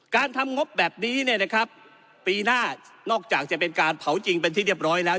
การทำงบแบบนี้เนี่ยนะครับปีหน้านอกจากจะเป็นการเผาจริงเป็นที่เรียบร้อยแล้ว